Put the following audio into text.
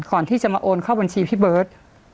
ก่อนที่จะมาโอนเข้าบัญชีพี่เบิร์ต